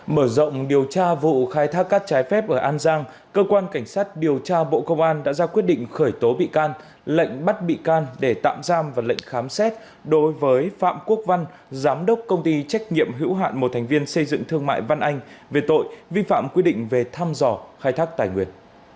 mở rộng điều tra vụ khai thác cát trái phép ở an giang cơ quan cảnh sát điều tra bộ công an đã ra quyết định khởi tố bị can lệnh bắt bị can để tạm giam và lệnh khám xét đối với phạm quốc văn giám đốc công ty trách nhiệm hữu hạn một thành viên xây dựng thương mại văn anh về tội vi phạm quy định về thăm dò khai thác tài nguyên